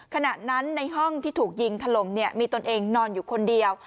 ขณะนั้นในห้องที่ถูกยิงถล่มมีตนเองนอนอยู่คนเดียว